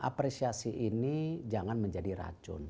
apresiasi ini jangan menjadi racun